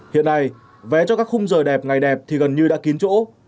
hiện nay vé cho các khung giờ đẹp ngày đẹp thì gần như đã kín chỗ